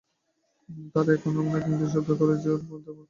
তারা এমন অনেক ইংরেজি শব্দ ব্যবহার করে, যার সঙ্গে আমরা অভ্যস্ত নই।